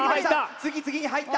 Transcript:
次々に入った。